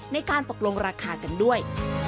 ในการตกลงราคากันด้วย